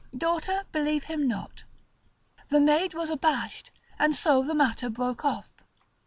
daughter believe him not: the maid was abashed, and so the matter broke off.